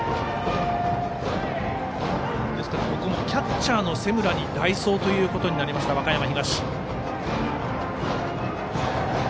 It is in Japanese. キャッチャーの瀬村に代走ということになりました和歌山東。